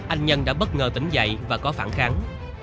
anh nhân đã bất ngờ tỉnh dậy và có phản kháng